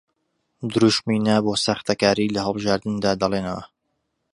دروشمی نا بۆ ساختەکاری لە هەڵبژاردندا دەڵێنەوە